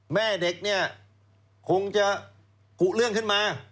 แม่เด็กเนี่ยคงจะกุเรื่องขึ้นมา